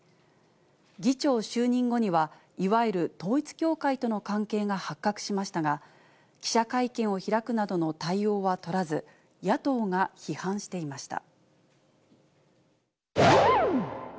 議長就任後には、いわゆる統一教会との関係が発覚しましたが、記者会見を開くなどの対応は取らず、野党が批判していました。